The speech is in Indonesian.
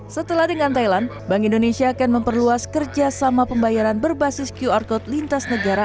setelah dengan thailand bank indonesia akan memperluas kerjasama pembayaran berbasis qr code lintas negara